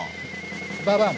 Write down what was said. ババン！